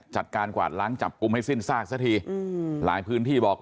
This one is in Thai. กวาดล้างจับกลุ่มให้สิ้นซากซะทีอืมหลายพื้นที่บอก